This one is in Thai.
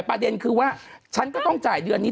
ประเด็นคือว่าเดือนนี้